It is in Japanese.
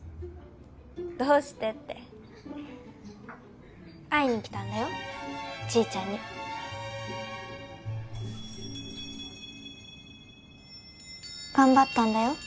どうしてって会いに来たんだよちーちゃんに頑張ったんだよ